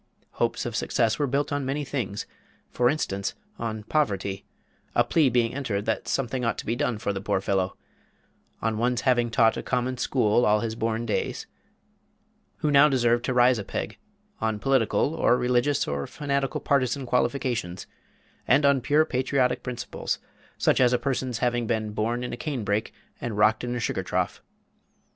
Hopes of success were built on many things for instance, on poverty; a plea being entered that something ought to be done for the poor fellow on one's having taught a common school all his born days, who now deserved to rise a peg on political, or religious, or fanatical partizan qualifications and on pure patriotic principles, such as a person's having been "born in a canebrake and rocked in a sugar trough."